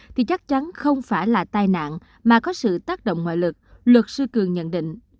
thì chắc chắn không phải là tai nạn mà có sự tác động ngoại lực luật sư cường nhận định